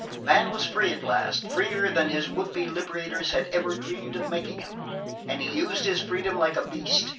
Man was free at last freer than his would be liberators had ever dreamed of making him and he used his freedom like a beast.